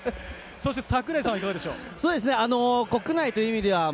櫻井さんはいかがでしょう？